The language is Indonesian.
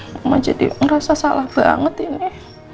mama jadi ngerasa salah banget ya